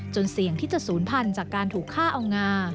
เสี่ยงที่จะศูนย์พันธุ์จากการถูกฆ่าเอางา